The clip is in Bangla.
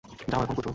যাও এখন, পূত্র!